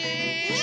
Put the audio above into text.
え？